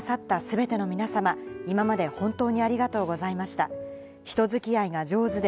須藤を応援してくださった全ての皆さま、今まで本当にありがとうございました。